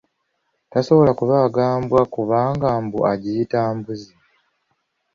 Tasobola kubaaga mbwa kubanga mbu agiyita mbuzi.